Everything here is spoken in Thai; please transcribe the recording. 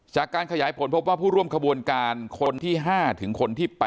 จากการขยายผลพบว่าผู้ร่วมขบวนการคนที่๕ถึงคนที่๘